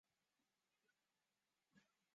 路线持续延伸至卷扬机后的马型雕塑旁为止。